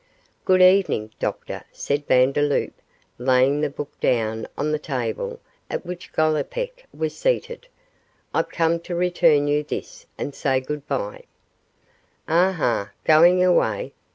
'Good evening, doctor,' said Vandeloup, laying the book down on the table at which Gollipeck was seated; 'I've come to return you this and say good bye.' 'Aha, going away?